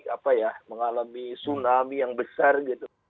apa ya mengalami tsunami yang besar gitu